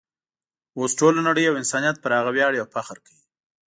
اوس ټوله نړۍ او انسانیت پر هغه ویاړي او فخر کوي.